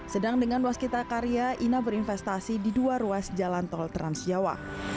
sedang dengan ruas kita karya ina berinvestasi di dua ruas jalan tol trans jawa